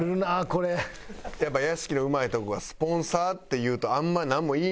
やっぱり屋敷のうまいとこは「スポンサー」って言うとあんまりなんも言いにくいところもな。